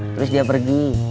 terus dia pergi